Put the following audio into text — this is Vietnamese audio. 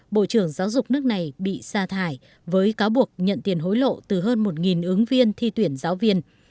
bộ trưởng giáo dục nước này bị sa thải với cáo buộc nhận tiền hối lộ từ hơn một ứng viên thi tuyển giáo viên